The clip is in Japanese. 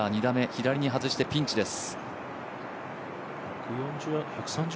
左に外してピンチです。